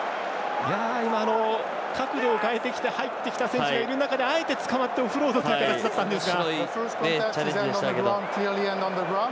角度を変えてきて入ってきた選手がいる中でいる中で、あえてつかまってオフロードの形だったんですが。